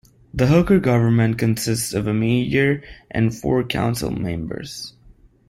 The Hooker government consists of a mayor and four council members.